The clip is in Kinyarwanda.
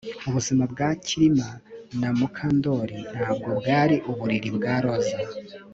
Ubuzima bwa Kirima na Mukandoli ntabwo bwari uburiri bwa roza